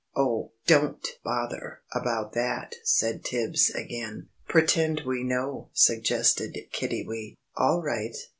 "Oh, don't bother about that," said Tibbs again. "Pretend we know," suggested Kiddiwee. "All right.